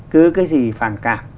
cứ cái gì phản cảm